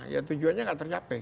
ya tujuannya enggak tercapai